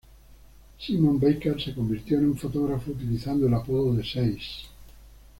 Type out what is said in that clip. Simon Barker se convirtió en un fotógrafo, utilizando el apodo de "Seis".